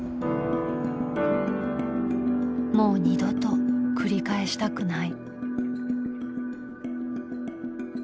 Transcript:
もう二度と繰り返したくない。